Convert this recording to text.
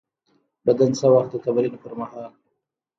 بدن څه وخت د تمرین پر مهال